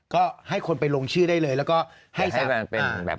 ก็ให้คนไปลงชื่อได้เลยแล้วก็ให้ซับ